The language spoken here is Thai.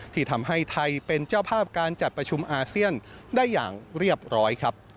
ที่ทำให้ไทยเป็นเจ้าภาพการจัดประชุมอาเซียนได้อย่างเรียบร้อยครับ